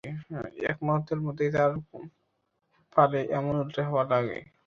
এক মুহূর্তের মধ্যেই তার পালে এমন উল্টো হাওয়া লাগে!